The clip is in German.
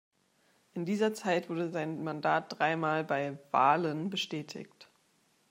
In dieser Zeit wurde sein Mandat dreimal bei „Wahlen“ bestätigt.